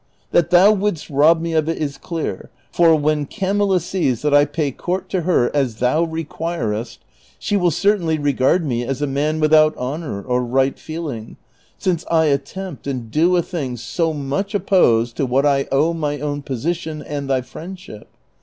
That thou wouldst rob me of it is clear, for when Camilla sees that T pay court to her as thou requirest, she will certainly regard me as a man without honor or right feeling, since I attempt and do a thing so much opjjosed to what 1 owe to my own jjosition and thy friend ship.